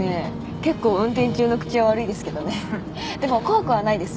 結構運転中の口は悪いですけどねでも怖くはないです